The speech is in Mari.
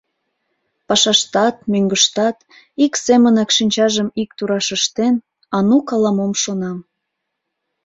Пашаштат, мӧҥгыштат, ик семынак, шинчажым ик тураш ыштен, Анук ала-мом шона.